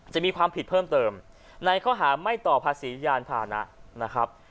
จะมีความผิดเพิ่มเติมในข้อหาไม่ต่อภาษียานพานะนะครับ